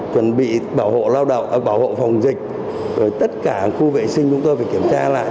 chuẩn bị bảo hộ lao động bảo hộ phòng dịch tất cả khu vệ sinh chúng tôi phải kiểm tra lại